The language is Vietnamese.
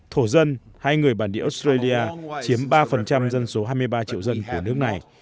thổ dân hay người bản địa australia chiếm ba dân số hai mươi ba triệu dân của nước này